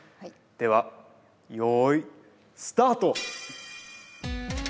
では用意スタート！